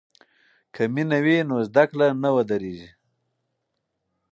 که مینه وي نو زده کړه نه ودریږي.